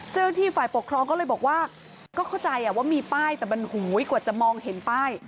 เจ้าหน้าที่ฝ่ายปกครองก็เลยบอกว่าก็เข้าใจว่ามีป้ายแต่มันหูยกว่าจะมองเห็นป้าย